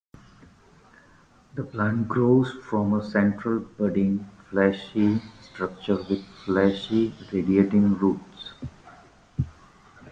The plant grows from a central, budding, fleshy structure with fleshy, radiating roots.